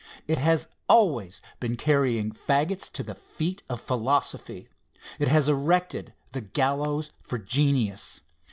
It has always been carrying fagots to the feet of Philosophy. It has erected the gallows for Genius.